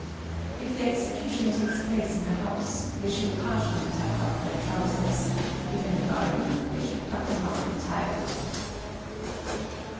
If the execution takes place in the house, they should partially tuck up their trousers; if in the garden, they should tuck them up entirely.